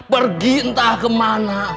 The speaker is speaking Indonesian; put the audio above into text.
pergi entah kemana